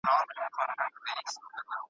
د طاقت له تنستې یې زړه اودلی